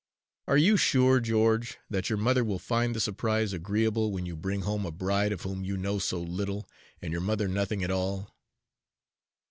"Are you sure, George, that your mother will find the surprise agreeable when you bring home a bride of whom you know so little and your mother nothing at all?"